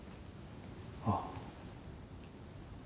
ああ。